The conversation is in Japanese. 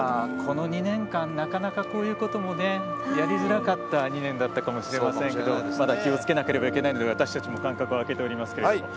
この２年間なかなかこういうこともやりづらかった２年かもしれませんけどまだ気をつけなければいけないので私たちも間隔を空けております。